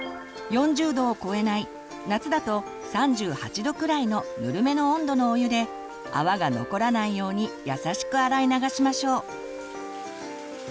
４０度を超えない夏だと３８度くらいのぬるめの温度のお湯で泡が残らないように優しく洗い流しましょう。